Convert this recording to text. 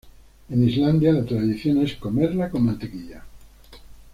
En Islandia la tradición es comerla con mantequilla.